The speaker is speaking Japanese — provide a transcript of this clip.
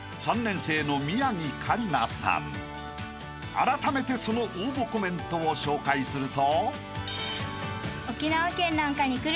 ［あらためてその応募コメントを紹介すると］